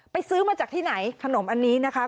ซื้อมาจากที่ไหนขนมอันนี้นะคะ